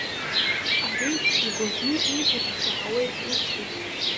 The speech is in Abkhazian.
Ари игәаӷьны ииҳәақәо шәаҳауеит усгьы.